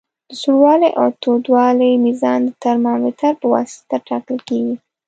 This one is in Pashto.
د سوړوالي او تودوالي میزان د ترمامتر پواسطه ټاکل کیږي.